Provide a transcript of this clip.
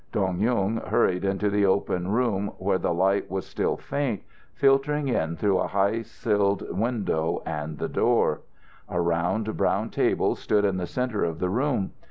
Dong Yung hurried into the open room, where the light was still faint, filtering in through a high silled window and the door. A round, brown table stood in the center of the room.